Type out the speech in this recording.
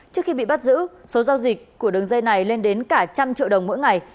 trước khi bị bắt giữ số giao dịch của đường dây này lên đến cả trăm triệu đồng mỗi ngày